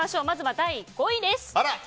まずは第５位です。